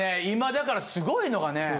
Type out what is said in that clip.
今だからすごいのがね。